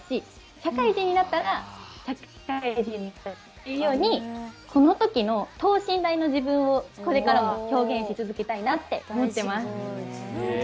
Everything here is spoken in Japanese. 社会人になったら社会人の私っていうようにこの時の等身大の自分をこれからも表現し続けたいなって思ってます。